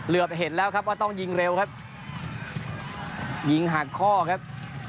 เห็นแล้วครับว่าต้องยิงเร็วครับยิงหักข้อครับ